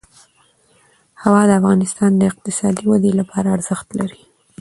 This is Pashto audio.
هوا د افغانستان د اقتصادي ودې لپاره ارزښت لري.